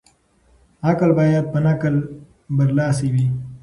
عقل بايد په نقل برلاسی وي.